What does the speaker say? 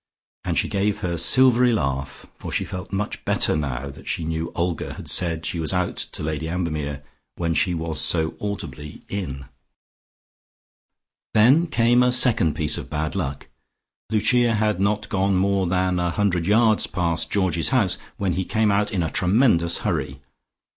And she gave her silvery laugh, for she felt much better now that she knew Olga had said she was out to Lady Ambermere, when she was so audibly in. Then came a second piece of bad luck. Lucia had not gone more than a hundred yards past Georgie's house, when he came out in a tremendous hurry.